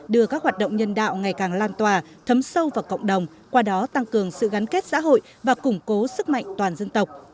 đưa các hoạt động nhân đạo ngày càng lan tòa thấm sâu vào cộng đồng qua đó tăng cường sự gắn kết xã hội và củng cố sức mạnh toàn dân tộc